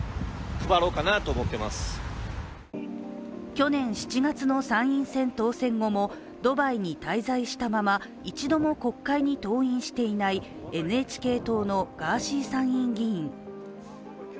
去年７月の参院選当選後もドバイに滞在したまま一度も国会に登院していないＮＨＫ党のガーシー参院議員。